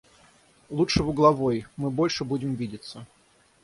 Лучше в угловой, мы больше будем видеться.